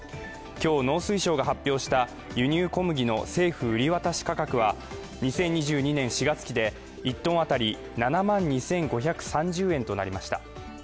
今日、農水省が発表した輸入小麦の政府売り渡し価格は２０２２年４月期で１トンあたり７万２５３０円となりました。